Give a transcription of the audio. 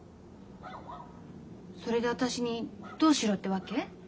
それで私にどうしろってわけ？